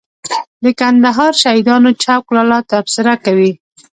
د کندهار شهیدانو چوک لالا تبصره کوي.